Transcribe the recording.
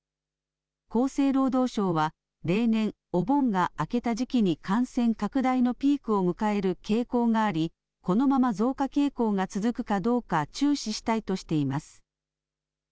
厚生労働省は例年お盆が明けた時期に感染拡大のピークを迎える傾向がありこのまま増加傾向が続くかどうか注視したいとしています。